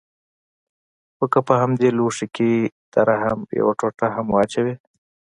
خو که په همدې لوښي کښې د رحم يوه ټوټه هم واچوې.